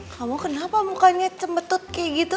kamu kenapa mukanya cembetut kayak gitu